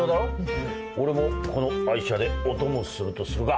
俺もこの愛車でお供するとするか。